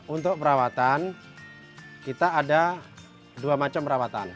untuk perawatan kita ada dua macam perawatan